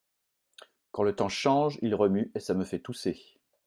Quand le temps change, il remue, et ça me fait tousser.